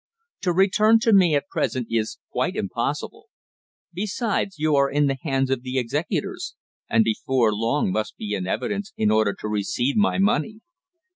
To return to me at present is quite impossible. Besides you are in the hands of the executors; and before long must be in evidence in order to receive my money."